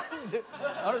あれ？